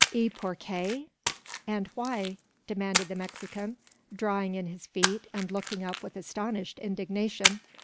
"Y porque?" (And why?) demanded the Mexican, drawing in his feet, and looking up with astonished indignation.